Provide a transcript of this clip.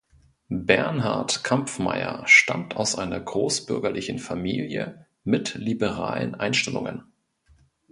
Bernhard Kampffmeyer stammt aus einer großbürgerlichen Familie mit liberalen Einstellungen.